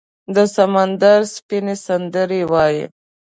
د سمندر سپینې، سندرې وایې